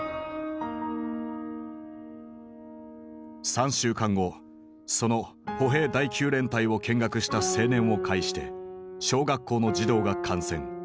３週間後その歩兵第９連隊を見学した青年を介して小学校の児童が感染。